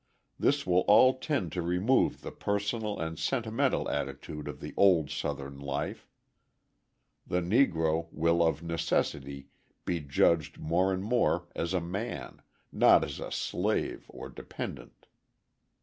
This will all tend to remove the personal and sentimental attitude of the old Southern life; the Negro will of necessity be judged more and more as a man, not as a slave or dependent.